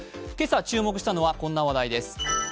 今朝注目したのは、こんな話題です